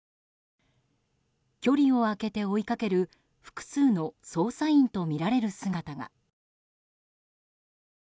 距離を空けて追いかける複数の捜査員とみられる姿が。